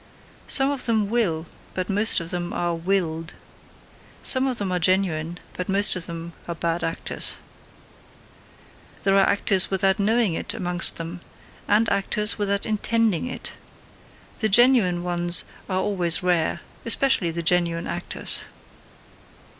Some of them WILL, but most of them are WILLED. Some of them are genuine, but most of them are bad actors. There are actors without knowing it amongst them, and actors without intending it , the genuine ones are always rare, especially the genuine actors.